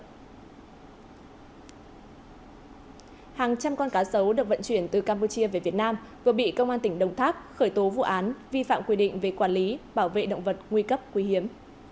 hàng trăm con cá sấu được vận chuyển từ campuchia về việt nam vừa bị công an tỉnh đồng tháp khởi tố vụ án vi phạm quy định về quản lý bảo vệ động vật nguy cấp quý hiếm